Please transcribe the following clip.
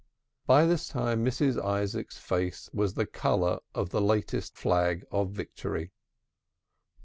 By this time Mrs. Isaacs's face was the color of the latest flag of victory.